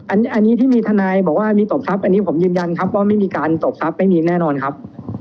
อันนี้ที่มีทนายบอกว่ามีตบทรัพย์อันนี้ผมยืนยันครับว่าไม่มีการตบทรัพย์ไม่มีแน่นอนครับ